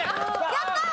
やったー！